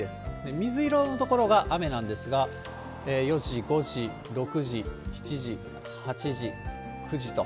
水色の所が雨なんですが、４時、５時、６時、７時、８時、９時と。